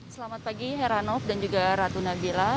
selamat pagi heranov dan juga ratu nabila